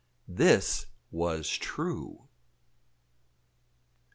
This was true!